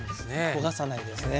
焦がさないですね。